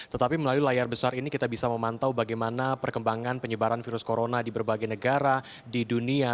tetapi melalui layar besar ini kita bisa memantau bagaimana perkembangan penyebaran virus corona di berbagai negara di dunia